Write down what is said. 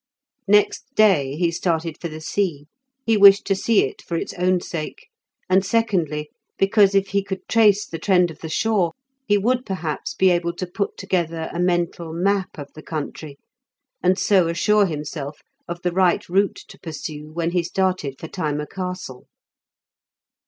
Next day he started for the sea; he wished to see it for its own sake, and, secondly, because if he could trace the trend of the shore, he would perhaps be able to put together a mental map of the country, and so assure himself of the right route to pursue when he started for Thyma Castle.